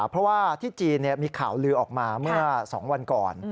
เพราะว่าที่จีนมีข่าวลือออกมาเมื่อ๒วันก่อน